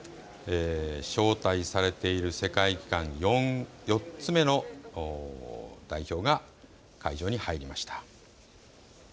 招待されている世界機関、４つ目の代表が会場に入りました。